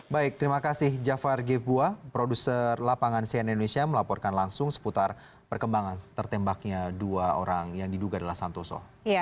baik terima kasih jafar gevua produser lapangan cnn indonesia melaporkan langsung seputar perkembangan tertembaknya dua orang yang diduga adalah santoso